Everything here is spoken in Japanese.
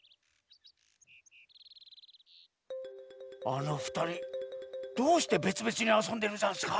あのふたりどうしてべつべつにあそんでるざんすか？